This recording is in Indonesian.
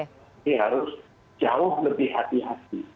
jadi harus jauh lebih hati hati